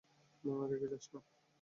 রেগে যাস না।